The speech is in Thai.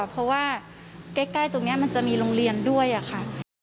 เพราะว่าใกล้ตรงนี้มันจะมีโรงเรียนด้วยค่ะ